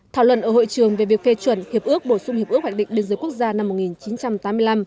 thảo luận ở hội trường về việc phê chuẩn hiệp ước bổ sung hiệp ước hoạch định biên giới quốc gia năm một nghìn chín trăm tám mươi năm